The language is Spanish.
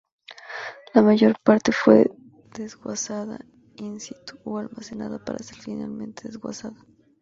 La mayor parte fue desguazada in situ, o almacenada para ser finalmente desguazada.